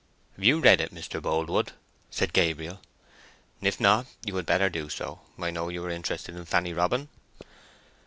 "Have you read it, Mr. Boldwood?" said Gabriel; "if not, you had better do so. I know you are interested in Fanny Robin."